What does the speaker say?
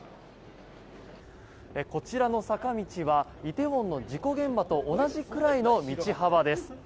こちらの坂道は梨泰院の事故現場と同じくらいの道幅です。